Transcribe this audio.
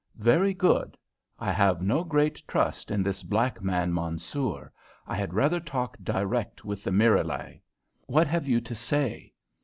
"Very good. I have no great trust in this black man, Mansoor. I had rather talk direct with the Miralai." "What have you to say?"